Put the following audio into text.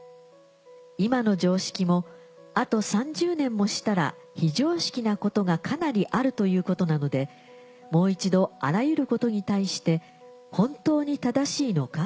今の常識もあと３０年もしたら非常識なことがかなりあるということなのでもう一度あらゆることに対して本当に正しいのか？